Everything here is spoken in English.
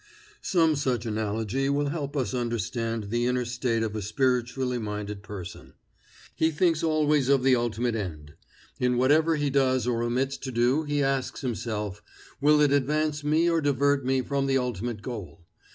Some such analogy will help us understand the inner state of a spiritually minded person. He thinks always of the ultimate end. In whatever he does or omits to do he asks himself, Will it advance me or divert me from the ultimate goal?